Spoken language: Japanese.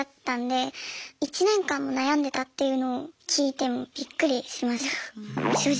１年間も悩んでたっていうのを聞いてもうびっくりしました正直。